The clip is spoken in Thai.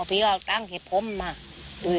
คุณน้อยต่างหล่ะคุณน้อยต่างหล่ะ